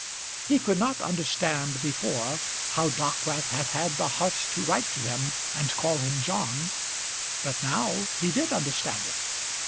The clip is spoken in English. He could not understand before how Dockwrath had had the heart to write to him and call him John, but now he did understand it.